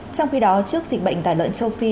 trong khi đó trước dịch bệnh tả lợn châu phi